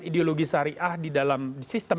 ideologi syariah di dalam sistem